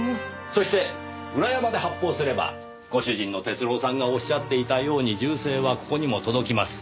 そして裏山で発砲すればご主人の鉄朗さんがおっしゃっていたように銃声はここにも届きます。